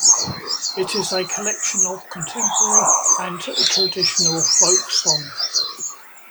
It is a collection of contemporary and traditional folk song.